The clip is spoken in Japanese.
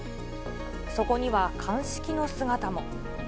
そこには鑑識の姿も。